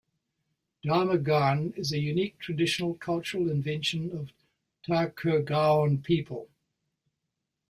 Dhamer Gaan is a unique traditional cultural invention of Thakurgaon people.